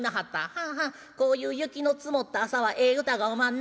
『はあはあこういう雪の積もった朝はええ歌がおまんなあ。